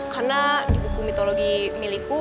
karena di buku mitologi milikku